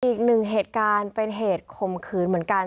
อีกหนึ่งเหตุการณ์เป็นเหตุข่มขืนเหมือนกัน